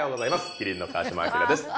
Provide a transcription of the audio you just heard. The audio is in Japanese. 麒麟の川島明です。